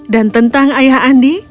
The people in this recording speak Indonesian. dan tentang ayah andi